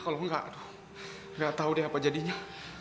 kalau enggak aduh gak tau deh apa jadinya